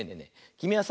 きみはさ